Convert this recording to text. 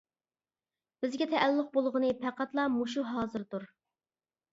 بىزگە تەئەللۇق بولغىنى پەقەتلا مۇشۇ ھازىردۇر.